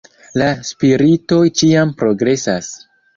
La Spiritoj ĉiam progresas.